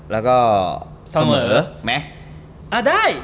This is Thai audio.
แล้วก็เสมอไหมได้